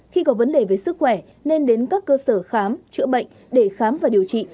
khi có vấn đề về sức khỏe nên đến các cơ sở khám chữa bệnh để khám và điều trị